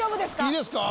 いいですか？